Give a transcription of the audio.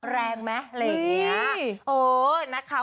แรงมะว่าคันระท้